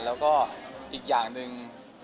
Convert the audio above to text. แล้วก็อีกอย่างหนึ่ง